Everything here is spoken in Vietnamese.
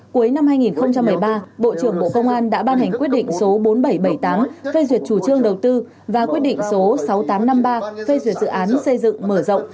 cuối năm hai nghìn một mươi ba bộ trưởng bộ công an đã ban hành quyết định số bốn nghìn bảy trăm bảy mươi tám phê duyệt chủ trương đầu tư và quyết định số sáu nghìn tám trăm năm mươi ba phê duyệt dự án xây dựng mở rộng